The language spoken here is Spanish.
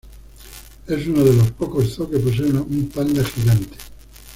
Es uno de los pocos zoo que posee un Panda gigante.